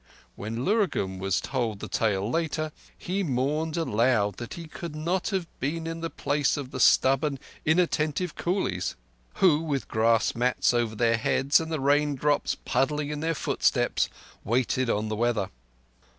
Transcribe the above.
When Lurgan was told the tale later, he mourned aloud that he could not have been in the place of the stubborn, inattentive coolies, who with grass mats over their heads and the raindrops puddling in their footprints, waited on the weather.